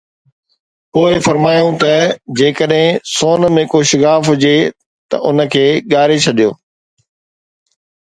پوءِ فرمايائون ته: جيڪڏهن سون ۾ ڪو شگاف هجي ته ان کي ڳاري ڇڏ